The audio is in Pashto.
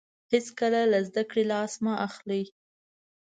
هیڅکله له زده کړې لاس مه اخلئ.